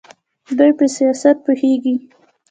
دوی په سیاست پوهیږي.